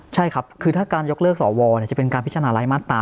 ใช่ครับคือถ้าการยกเลิกสวจะเป็นการพิจารณาร้ายมาตรา